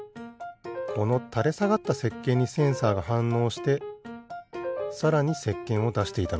このたれさがったせっけんにセンサーがはんのうしてさらにせっけんをだしていたのか。